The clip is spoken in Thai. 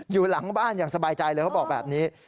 อยู่หลังบ้านอย่างสบายใจเลยเขาบอกแบบนี้